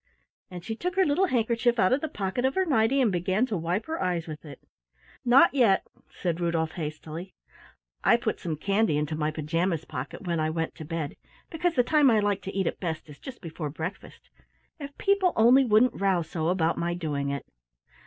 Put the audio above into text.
And she took her little handkerchief out of the pocket of her nighty and began to wipe her eyes with it. "Not yet," said Rudolf hastily. "I put some candy into my pajamas pocket when I went to bed, because the time I like to eat it best is just before breakfast if people only wouldn't row so about my doing it.